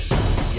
tak ada apa apa